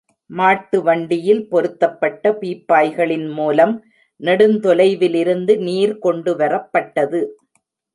மாட்டு வண்டியில் பொருத்தப்பட்ட பீப்பாய்களின் மூலம் நெடுந்தொலைவிலிருந்து நீர் கொண்டுவரப்பட்டது.